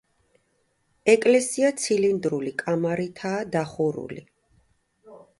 ეკლესია ცილინდრული კამარითაა გადახურული.